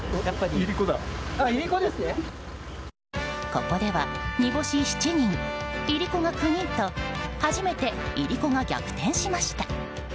ここでは煮干し７人、いりこが９人と初めて、いりこが逆転しました。